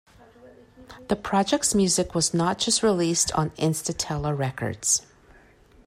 The project's music was not just released on Intastella Records.